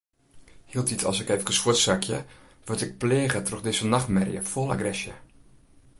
Hieltyd as ik eefkes fuortsakje, wurd ik pleage troch dizze nachtmerje fol agresje.